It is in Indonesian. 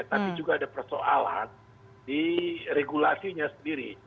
tapi juga ada persoalan di regulasinya sendiri